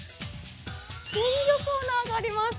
鮮魚コーナーがあります。